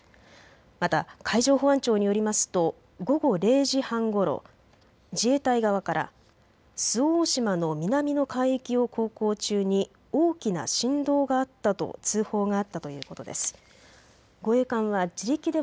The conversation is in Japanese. また海上保安庁によりますと午後０時半ごろ、自衛隊側から周防大島の南の海域を航行中に大きな振動があったと通報があったということです。